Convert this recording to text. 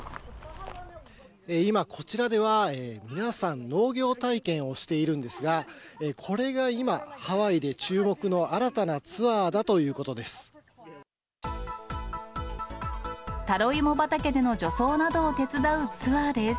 今、こちらでは皆さん、農業体験をしているんですが、これが今、ハワイで注目の新たなツアーだということです。